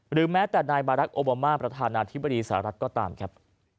หรือแม้แต่นายบารักษ์โอบามาประธานาธิบดีสหรัฐก็ตามครับ